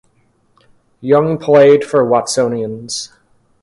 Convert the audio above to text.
Young played for Watsonians.